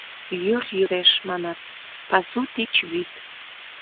— Йӱр йӱреш, — манат, — пасу тич вӱд...